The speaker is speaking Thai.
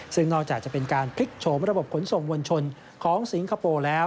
ซึ่งนอกจากจะเป็นการพลิกโฉมระบบขนส่งมวลชนของสิงคโปร์แล้ว